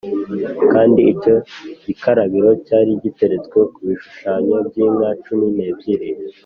Kandi icyo gikarabiro cyari giteretswe ku bishushanyo by’inka cumi n’ebyiri